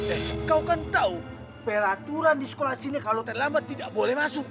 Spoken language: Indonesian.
eh kau kan tahu peraturan di sekolah sini kalau terlambat tidak boleh masuk